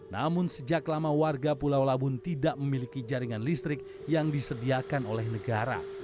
namun sejak lama warga pulau labun tidak memiliki jaringan listrik yang disediakan oleh negara